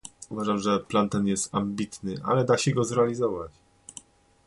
Uważam, że plan ten jest ambitny, ale da się go zrealizować